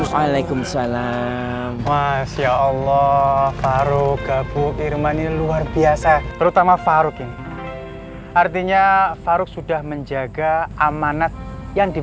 jangan lupa like share dan subscribe channel ini